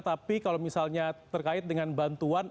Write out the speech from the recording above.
tapi kalau misalnya terkait dengan bantuan